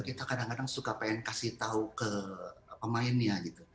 kita kadang kadang suka pengen kasih tahu ke pemainnya gitu